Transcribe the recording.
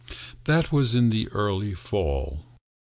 That was in the early fall.